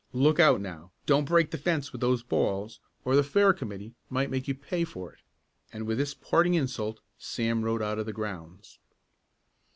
Look out, now, don't break the fence with those balls, or the fair committee might make you pay for it," and with this parting insult Sam rode out of the grounds.